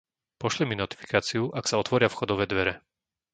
Pošli mi notifikáciu, ak sa otvoria vchodové dvere.